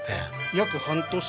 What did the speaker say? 約半年？